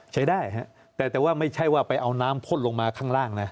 ใช้ได้ฮะแต่ว่าไม่ใช่ว่าไปเอาน้ำพ่นลงมาข้างล่างนะ